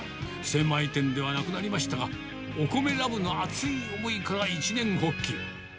精米店ではなくなりましたが、お米ラブの熱い思いから一念発起。